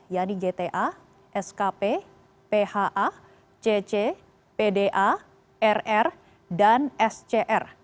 yaitu gta skp pha cc pda rr dan scr